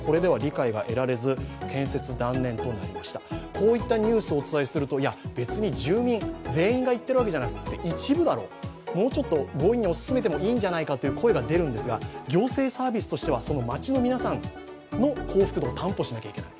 こういったニュースをお伝えすると、別に住民全員が言っているわけじゃなくて、一部だろう、もうちょっと強引に推し進めてもいいんじゃないかという声も出るんですが、行政サービスとしては街の皆さんの幸福度を担保しなきゃいけない。